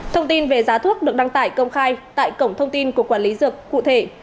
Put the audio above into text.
thông tin về giá thuốc được đăng tải công khai tại cổng thông tin của quản lý dược cụ thể